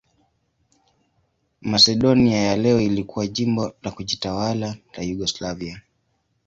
Masedonia ya leo ilikuwa jimbo la kujitawala la Yugoslavia.